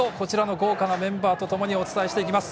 豪華なメンバーとともにお伝えしていきます。